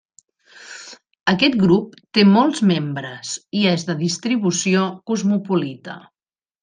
Aquest grup té molts membres i és de distribució cosmopolita.